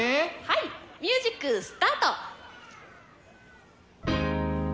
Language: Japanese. はいミュージックスタート！